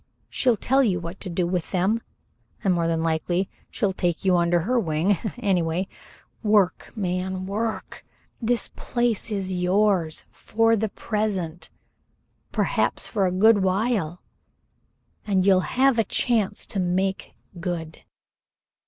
She'll tell you what to do with them and more than likely she'll take you under her wing anyway, work, man, work. The place is yours for the present perhaps for a good while, and you'll have a chance to make good.